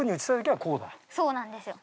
そうなんですよ。